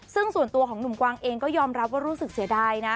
ซึ่งส่วนตัวของหนุ่มกวางเองก็ยอมรับว่ารู้สึกเสียดายนะ